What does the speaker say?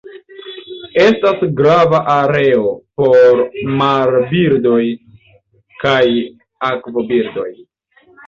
Estas grava areo por marbirdoj kaj akvobirdoj.